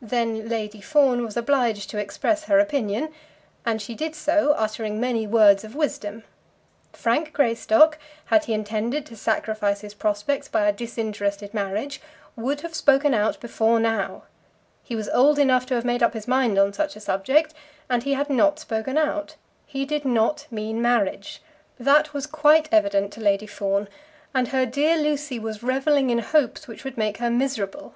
Then Lady Fawn was obliged to express her opinion, and she did so, uttering many words of wisdom. Frank Greystock, had he intended to sacrifice his prospects by a disinterested marriage, would have spoken out before now. He was old enough to have made up his mind on such a subject, and he had not spoken out. He did not mean marriage. That was quite evident to Lady Fawn; and her dear Lucy was revelling in hopes which would make her miserable.